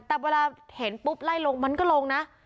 แต่เวลาเห็นปุ๊บไล่ลงมันก็ลงนะ